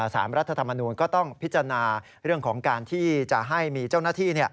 รัฐธรรมนูลก็ต้องพิจารณาเรื่องของการที่จะให้มีเจ้าหน้าที่